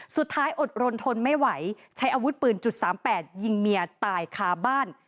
อดรนทนไม่ไหวใช้อาวุธปืนจุด๓๘ยิงเมียตายคาบ้าน